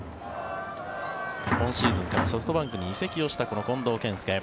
今シーズンからソフトバンクに移籍をした近藤健介。